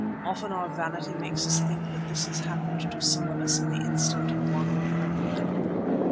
Often our vanity makes us think that this has happened to some of us in the instance of one or more women.